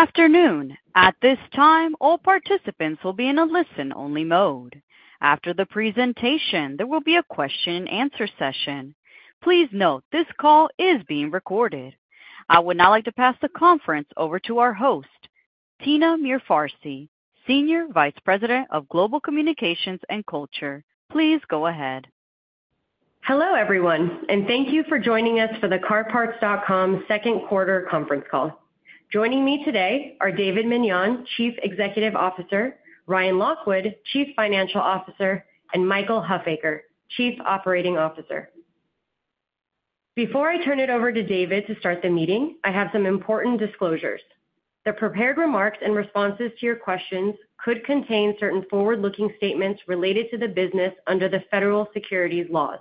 Good afternoon. At this time, all participants will be in a listen-only mode. After the presentation, there will be a question-and-answer session. Please note this call is being recorded. I would now like to pass the conference over to our host, Tina Mirfarsi, Senior Vice President of Global Communications and Culture. Please go ahead. Hello, everyone, and thank you for joining us for the CarParts.com second quarter conference call. Joining me today are David Meniane, Chief Executive Officer, Ryan Lockwood, Chief Financial Officer, and Michael Huffaker, Chief Operating Officer. Before I turn it over to David to start the meeting, I have some important disclosures. The prepared remarks and responses to your questions could contain certain forward-looking statements related to the business under the federal securities laws.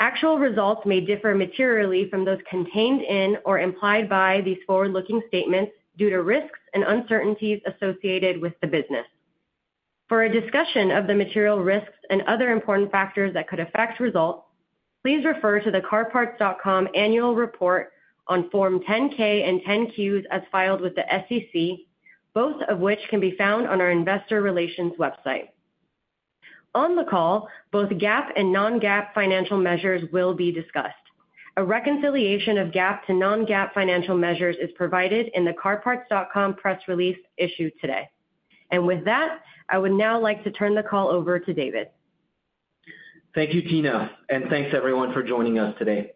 Actual results may differ materially from those contained in or implied by these forward-looking statements due to risks and uncertainties associated with the business. For a discussion of the material risks and other important factors that could affect results, please refer to the CarParts.com annual report on Form 10-K and 10-Qs as filed with the SEC, both of which can be found on our investor relations website. On the call, both GAAP and non-GAAP financial measures will be discussed. A reconciliation of GAAP to non-GAAP financial measures is provided in the CarParts.com press release issued today. With that, I would now like to turn the call over to David. Thank you, Tina, and thanks, everyone, for joining us today.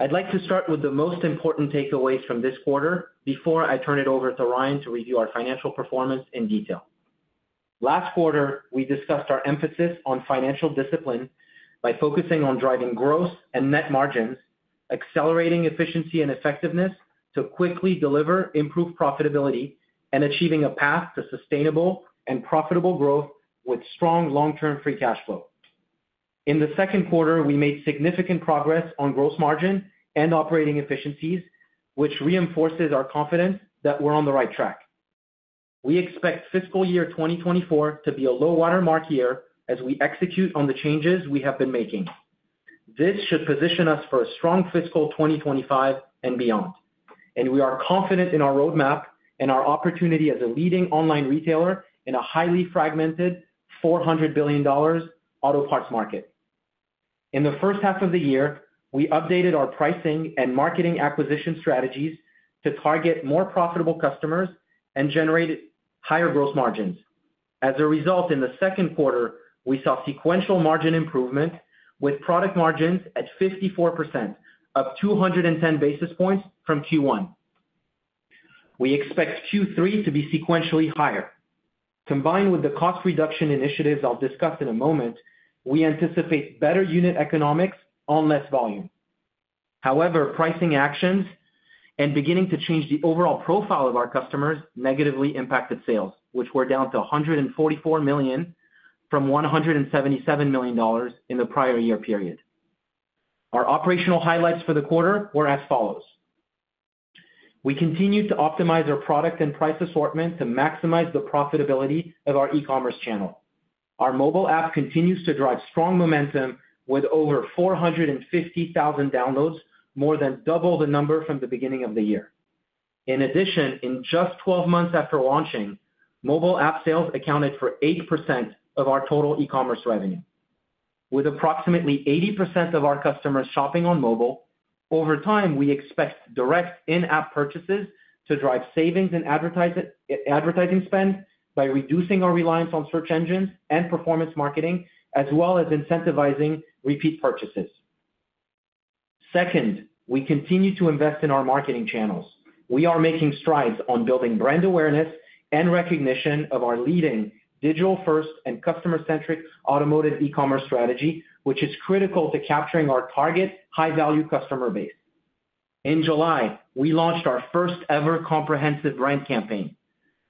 I'd like to start with the most important takeaways from this quarter before I turn it over to Ryan to review our financial performance in detail. Last quarter, we discussed our emphasis on financial discipline by focusing on driving growth and net margins, accelerating efficiency and effectiveness to quickly deliver, improve profitability, and achieving a path to sustainable and profitable growth with strong long-term free cash flow. In the second quarter, we made significant progress on gross margin and operating efficiencies, which reinforces our confidence that we're on the right track. We expect fiscal year 2024 to be a low-water mark year as we execute on the changes we have been making. This should position us for a strong fiscal 2025 and beyond, and we are confident in our roadmap and our opportunity as a leading online retailer in a highly fragmented $400 billion auto parts market. In the first half of the year, we updated our pricing and marketing acquisition strategies to target more profitable customers and generate higher gross margins. As a result, in the second quarter, we saw sequential margin improvement with product margins at 54%, up 210 basis points from Q1. We expect Q3 to be sequentially higher. Combined with the cost reduction initiatives I'll discuss in a moment, we anticipate better unit economics on less volume. However, pricing actions and beginning to change the overall profile of our customers negatively impacted sales, which were down to $144 million from $177 million in the prior year period. Our operational highlights for the quarter were as follows. We continue to optimize our product and price assortment to maximize the profitability of our e-commerce channel. Our mobile app continues to drive strong momentum with over 450,000 downloads, more than double the number from the beginning of the year. In addition, in just 12 months after launching, mobile app sales accounted for 8% of our total e-commerce revenue. With approximately 80% of our customers shopping on mobile, over time, we expect direct in-app purchases to drive savings in advertising spend by reducing our reliance on search engines and performance marketing, as well as incentivizing repeat purchases. Second, we continue to invest in our marketing channels. We are making strides on building brand awareness and recognition of our leading digital-first and customer-centric automotive e-commerce strategy, which is critical to capturing our target high-value customer base. In July, we launched our first-ever comprehensive brand campaign.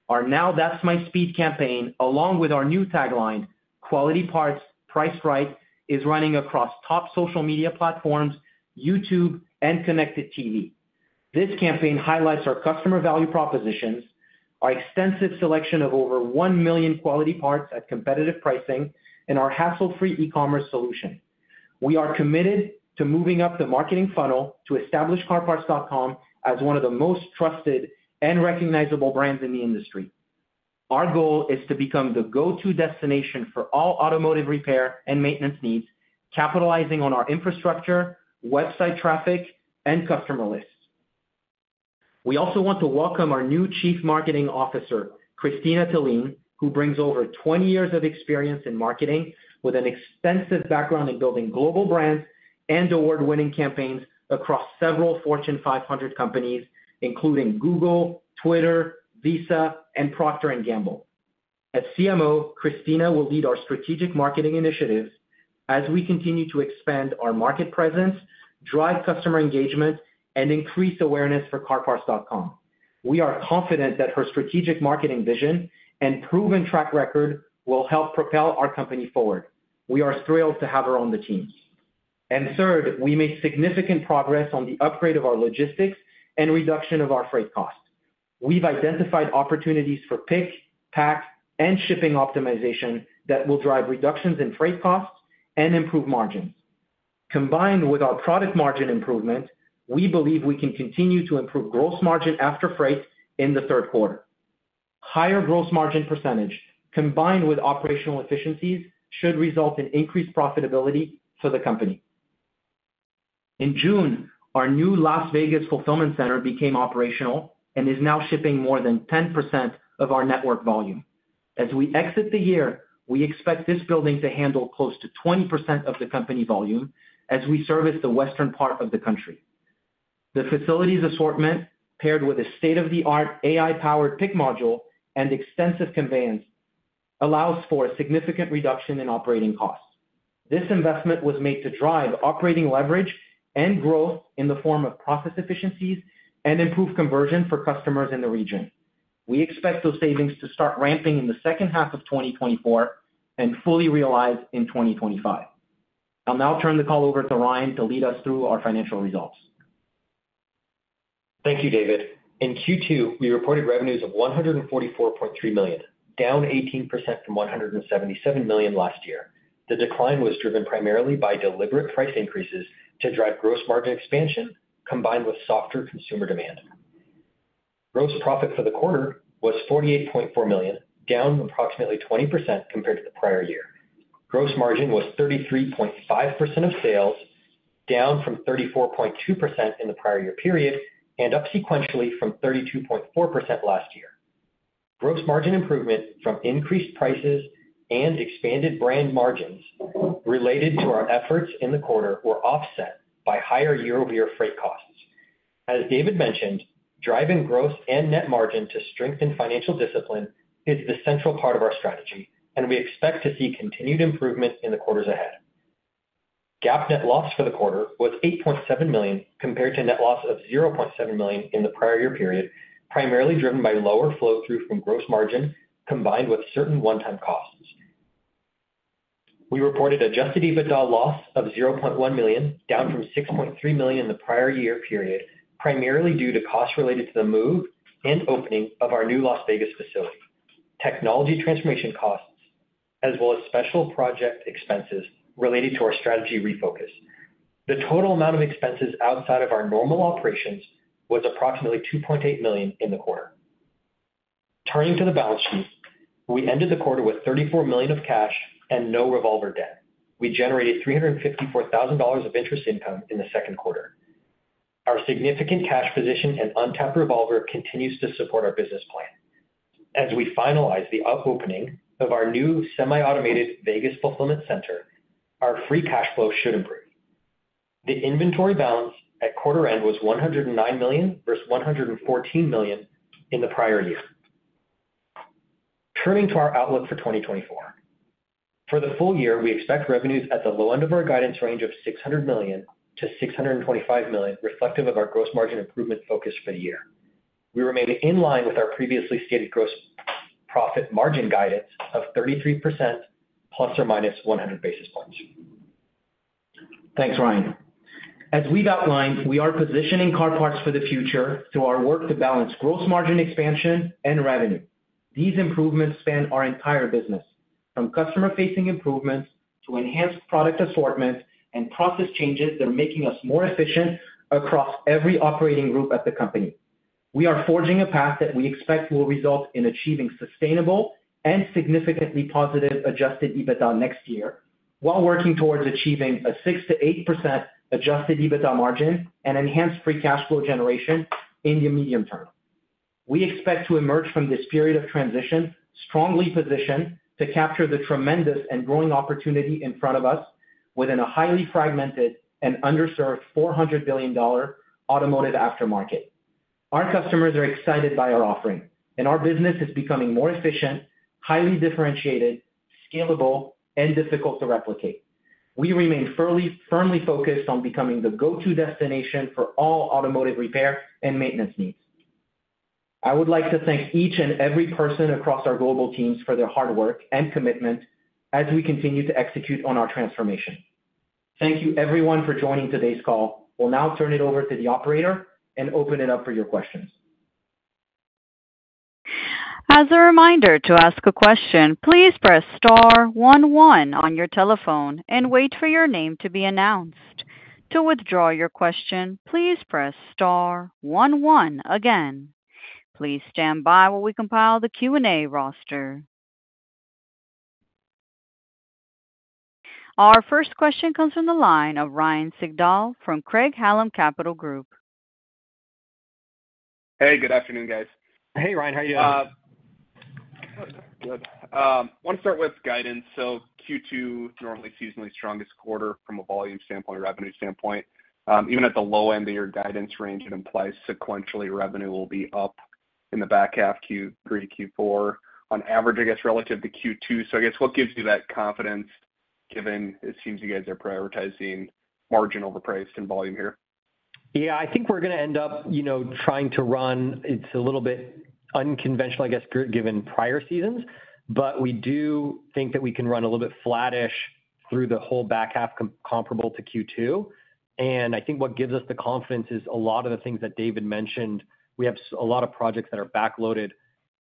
Our Now That's My Speed campaign, along with our new tagline, "Quality parts, priced right," is running across top social media platforms, YouTube, and connected TV. This campaign highlights our customer value propositions, our extensive selection of over 1 million quality parts at competitive pricing, and our hassle-free e-commerce solution. We are committed to moving up the marketing funnel to establish CarParts.com as one of the most trusted and recognizable brands in the industry. Our goal is to become the go-to destination for all automotive repair and maintenance needs, capitalizing on our infrastructure, website traffic, and customer lists. We also want to welcome our new Chief Marketing Officer, Christina Bylin, who brings over 20 years of experience in marketing with an extensive background in building global brands and award-winning campaigns across several Fortune 500 companies, including Google, Twitter, Visa, and Procter & Gamble. As CMO, Christina will lead our strategic marketing initiatives as we continue to expand our market presence, drive customer engagement, and increase awareness for CarParts.com. We are confident that her strategic marketing vision and proven track record will help propel our company forward. We are thrilled to have her on the team. And third, we made significant progress on the upgrade of our logistics and reduction of our freight cost. We've identified opportunities for pick, pack, and shipping optimization that will drive reductions in freight costs and improve margins. Combined with our product margin improvement, we believe we can continue to improve gross margin after freight in the third quarter. Higher gross margin percentage, combined with operational efficiencies, should result in increased profitability for the company. In June, our new Las Vegas Fulfillment Center became operational and is now shipping more than 10% of our network volume. As we exit the year, we expect this building to handle close to 20% of the company volume as we service the western part of the country. The facilities assortment, paired with a state-of-the-art AI-powered pick module and extensive conveyance, allows for a significant reduction in operating costs. This investment was made to drive operating leverage and growth in the form of process efficiencies and improve conversion for customers in the region. We expect those savings to start ramping in the second half of 2024 and fully realize in 2025. I'll now turn the call over to Ryan to lead us through our financial results. Thank you, David. In Q2, we reported revenues of $144.3 million, down 18% from $177 million last year. The decline was driven primarily by deliberate price increases to drive gross margin expansion combined with softer consumer demand. Gross profit for the quarter was $48.4 million, down approximately 20% compared to the prior year. Gross margin was 33.5% of sales, down from 34.2% in the prior year period and up sequentially from 32.4% last year. Gross margin improvement from increased prices and expanded brand margins related to our efforts in the quarter were offset by higher year-over-year freight costs. As David mentioned, driving gross and net margin to strengthen financial discipline is the central part of our strategy, and we expect to see continued improvement in the quarters ahead. GAAP net loss for the quarter was $8.7 million compared to net loss of $0.7 million in the prior year period, primarily driven by lower flow-through from gross margin combined with certain one-time costs. We reported Adjusted EBITDA loss of $0.1 million, down from $6.3 million in the prior year period, primarily due to costs related to the move and opening of our new Las Vegas facility, technology transformation costs, as well as special project expenses related to our strategy refocus. The total amount of expenses outside of our normal operations was approximately $2.8 million in the quarter. Turning to the balance sheet, we ended the quarter with $34 million of cash and no revolver debt. We generated $354,000 of interest income in the second quarter. Our significant cash position and untapped revolver continue to support our business plan. As we finalize the opening of our new semi-automated Las Vegas Fulfillment Center, our Free Cash Flow should improve. The inventory balance at quarter end was $109 million versus $114 million in the prior year. Turning to our outlook for 2024, for the full year, we expect revenues at the low end of our guidance range of $600 million-$625 million, reflective of our gross margin improvement focus for the year. We remain in line with our previously stated gross profit margin guidance of 33% ± 100 basis points. Thanks, Ryan. As we've outlined, we are positioning CarParts for the future through our work to balance gross margin expansion and revenue. These improvements span our entire business, from customer-facing improvements to enhanced product assortment and process changes that are making us more efficient across every operating group at the company. We are forging a path that we expect will result in achieving sustainable and significantly positive Adjusted EBITDA next year while working towards achieving a 6%-8% Adjusted EBITDA margin and enhanced Free Cash Flow generation in the medium term. We expect to emerge from this period of transition strongly positioned to capture the tremendous and growing opportunity in front of us within a highly fragmented and underserved $400 billion automotive aftermarket. Our customers are excited by our offering, and our business is becoming more efficient, highly differentiated, scalable, and difficult to replicate. We remain firmly focused on becoming the go-to destination for all automotive repair and maintenance needs. I would like to thank each and every person across our global teams for their hard work and commitment as we continue to execute on our transformation. Thank you, everyone, for joining today's call. We'll now turn it over to the operator and open it up for your questions. As a reminder to ask a question, please press star one-one on your telephone and wait for your name to be announced. To withdraw your question, please press star one-one again. Please stand by while we compile the Q&A roster. Our first question comes from the line of Ryan Sigdahl from Craig-Hallum Capital Group. Hey, good afternoon, guys. Hey, Ryan. How are you? Good. I want to start with guidance. So Q2, normally seasonally strongest quarter from a volume standpoint, revenue standpoint. Even at the low end of your guidance range, it implies sequentially revenue will be up in the back half, Q3, Q4, on average, I guess, relative to Q2. So I guess what gives you that confidence given it seems you guys are prioritizing margin over price and volume here? Yeah, I think we're going to end up trying to run. It's a little bit unconventional, I guess, given prior seasons, but we do think that we can run a little bit flattish through the whole back half comparable to Q2. And I think what gives us the confidence is a lot of the things that David mentioned. We have a lot of projects that are backloaded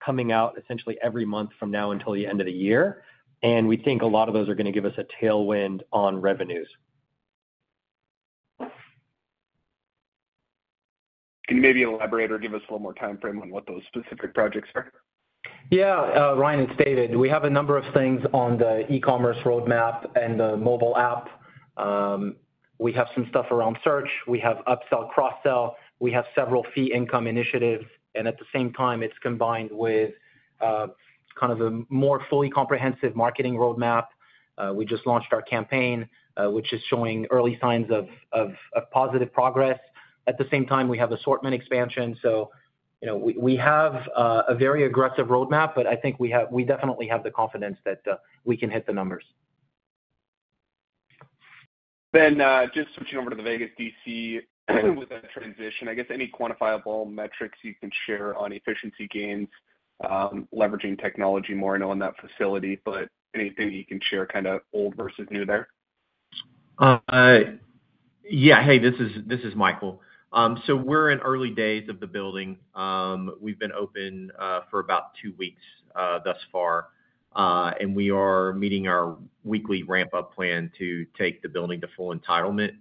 coming out essentially every month from now until the end of the year. And we think a lot of those are going to give us a tailwind on revenues. Can you maybe elaborate or give us a little more time frame on what those specific projects are? Yeah, Ryan, it's David. We have a number of things on the e-commerce roadmap and the mobile app. We have some stuff around search. We have upsell, cross-sell. We have several fee income initiatives. And at the same time, it's combined with kind of a more fully comprehensive marketing roadmap. We just launched our campaign, which is showing early signs of positive progress. At the same time, we have assortment expansion. So we have a very aggressive roadmap, but I think we definitely have the confidence that we can hit the numbers. Then, just switching over to the Vegas DC with that transition, I guess any quantifiable metrics you can share on efficiency gains, leveraging technology more and on that facility, but anything you can share kind of old versus new there? Yeah. Hey, this is Michael. So we're in early days of the building. We've been open for about two weeks thus far, and we are meeting our weekly ramp-up plan to take the building to full entitlement.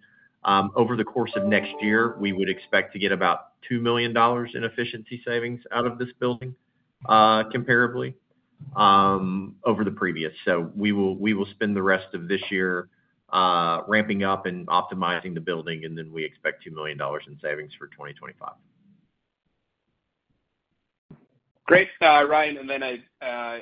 Over the course of next year, we would expect to get about $2 million in efficiency savings out of this building comparably over the previous. So we will spend the rest of this year ramping up and optimizing the building, and then we expect $2 million in savings for 2025. Great. Ryan, and then I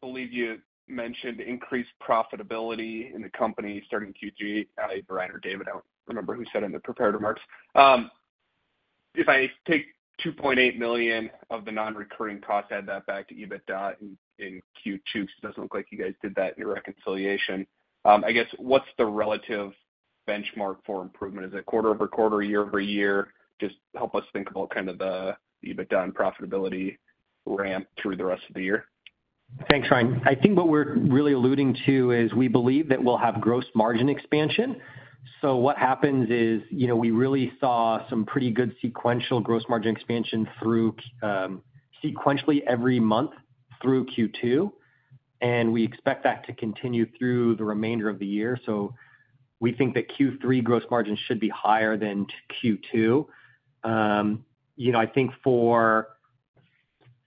believe you mentioned increased profitability in the company starting Q3. Ryan or David, I don't remember who said it in the prepared remarks. If I take $2.8 million of the non-recurring costs, add that back to EBITDA in Q2, because it doesn't look like you guys did that in your reconciliation. I guess what's the relative benchmark for improvement? Is it quarter-over-quarter, year-over-year? Just help us think about kind of the EBITDA and profitability ramp through the rest of the year. Thanks, Ryan. I think what we're really alluding to is we believe that we'll have gross margin expansion. So what happens is we really saw some pretty good sequential gross margin expansion sequentially every month through Q2, and we expect that to continue through the remainder of the year. So we think that Q3 gross margin should be higher than Q2. I think for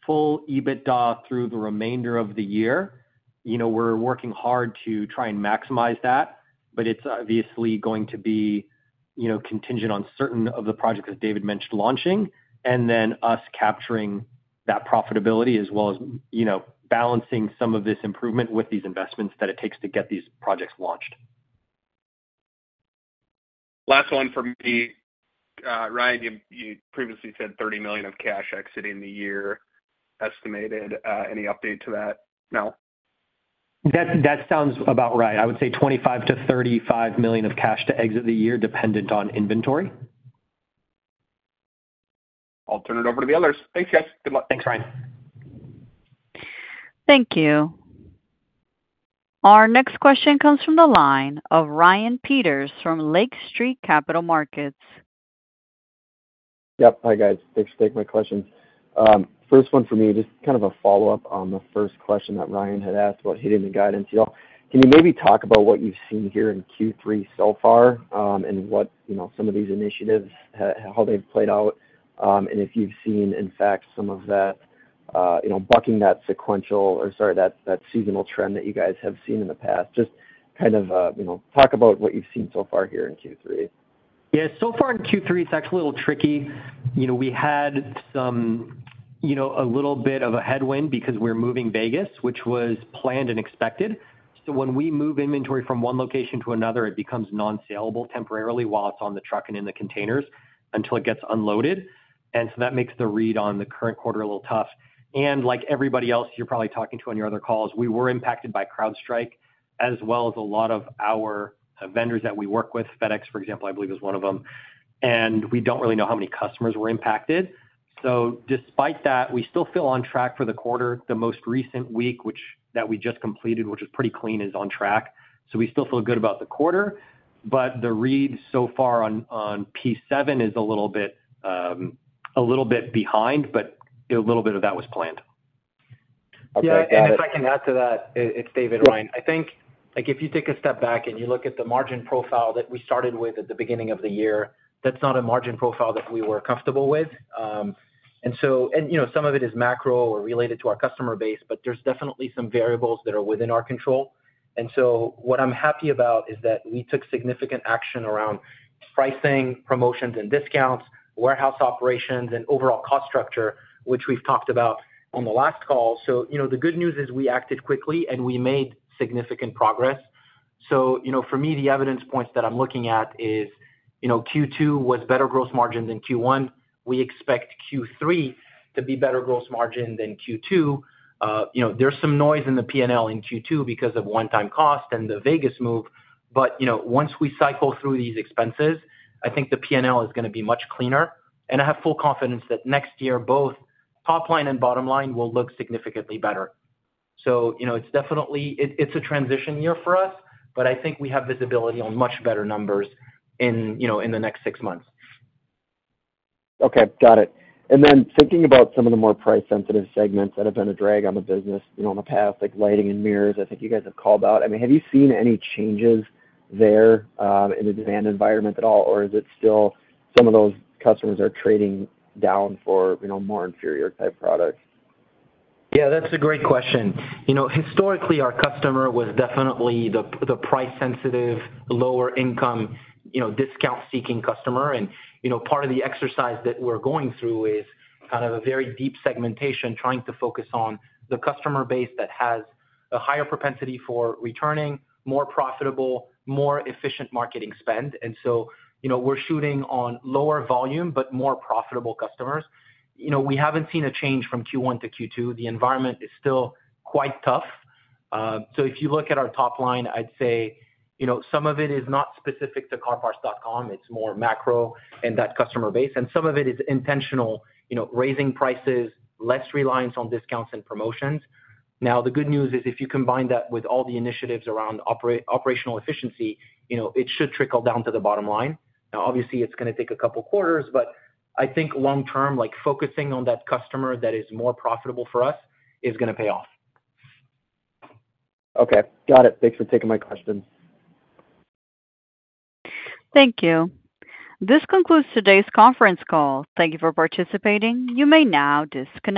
full EBITDA through the remainder of the year, we're working hard to try and maximize that, but it's obviously going to be contingent on certain of the projects, as David mentioned, launching, and then us capturing that profitability as well as balancing some of this improvement with these investments that it takes to get these projects launched. Last one for me. Ryan, you previously said $30 million of cash exiting the year estimated. Any update to that now? That sounds about right. I would say $25 million-$35 million of cash to exit the year dependent on inventory. I'll turn it over to the others. Thanks, guys. Good luck. Thanks, Ryan. Thank you. Our next question comes from the line of Ryan Meyers from Lake Street Capital Markets. Yep. Hi, guys. Thanks for taking my questions. First one for me, just kind of a follow-up on the first question that Ryan had asked about hitting the guidance. Can you maybe talk about what you've seen here in Q3 so far and what some of these initiatives, how they've played out, and if you've seen, in fact, some of that bucking that sequential or sorry, that seasonal trend that you guys have seen in the past? Just kind of talk about what you've seen so far here in Q3. Yeah. So far in Q3, it's actually a little tricky. We had a little bit of a headwind because we're moving Vegas, which was planned and expected. So when we move inventory from one location to another, it becomes non-saleable temporarily while it's on the truck and in the containers until it gets unloaded. And so that makes the read on the current quarter a little tough. And like everybody else you're probably talking to on your other calls, we were impacted by CrowdStrike as well as a lot of our vendors that we work with. FedEx, for example, I believe, is one of them. And we don't really know how many customers were impacted. So despite that, we still feel on track for the quarter. The most recent week that we just completed, which was pretty clean, is on track. So we still feel good about the quarter. The read so far on P7 is a little bit behind, but a little bit of that was planned. Yeah. And if I can add to that, it's David Ryan. I think if you take a step back and you look at the margin profile that we started with at the beginning of the year, that's not a margin profile that we were comfortable with. And some of it is macro or related to our customer base, but there's definitely some variables that are within our control. And so what I'm happy about is that we took significant action around pricing, promotions, and discounts, warehouse operations, and overall cost structure, which we've talked about on the last call. So the good news is we acted quickly and we made significant progress. So for me, the evidence points that I'm looking at is Q2 was better gross margin than Q1. We expect Q3 to be better gross margin than Q2. There's some noise in the P&L in Q2 because of one-time cost and the Vegas move. But once we cycle through these expenses, I think the P&L is going to be much cleaner. And I have full confidence that next year, both top line and bottom line will look significantly better. So it's a transition year for us, but I think we have visibility on much better numbers in the next six months. Okay. Got it. And then thinking about some of the more price-sensitive segments that have been a drag on the business in the past, like lighting and mirrors, I think you guys have called out. I mean, have you seen any changes there in the demand environment at all, or is it still some of those customers are trading down for more inferior-type products? Yeah, that's a great question. Historically, our customer was definitely the price-sensitive, lower-income, discount-seeking customer. Part of the exercise that we're going through is kind of a very deep segmentation, trying to focus on the customer base that has a higher propensity for returning, more profitable, more efficient marketing spend. So we're shooting on lower volume but more profitable customers. We haven't seen a change from Q1 to Q2. The environment is still quite tough. If you look at our top line, I'd say some of it is not specific to CarParts.com. It's more macro and that customer base. Some of it is intentional, raising prices, less reliance on discounts and promotions. Now, the good news is if you combine that with all the initiatives around operational efficiency, it should trickle down to the bottom line. Now, obviously, it's going to take a couple of quarters, but I think long-term, focusing on that customer that is more profitable for us is going to pay off. Okay. Got it. Thanks for taking my questions. Thank you. This concludes today's conference call. Thank you for participating. You may now disconnect.